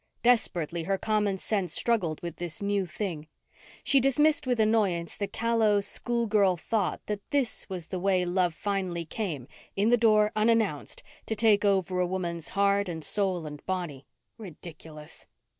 Desperately, her common sense struggled with this new thing. She dismissed with annoyance the callow, schoolgirl thought that this was the way love finally came in the door, unannounced, to take over a woman's heart and soul and body. Ridiculous.